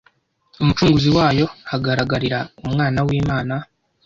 Umucunguzi wayo, hagaragarira Umwana w'Imana.